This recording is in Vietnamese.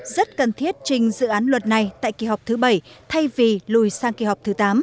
rất cần thiết trình dự án luật này tại kỳ họp thứ bảy thay vì lùi sang kỳ họp thứ tám